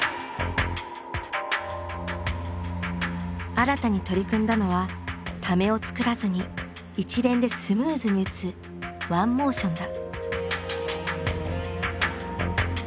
新たに取り組んだのはためをつくらずに一連でスムーズに打つワンモーションだ。